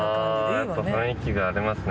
やっぱ雰囲気がありますね